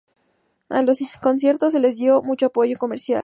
A los conciertos no se les dio mucho apoyo comercial.